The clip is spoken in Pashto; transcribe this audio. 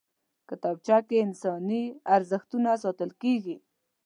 کتابچه کې انساني ارزښتونه ساتل کېږي